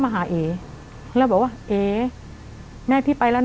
แต่ขอให้เรียนจบปริญญาตรีก่อน